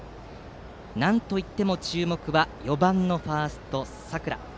なんといっても注目は４番のファースト、佐倉。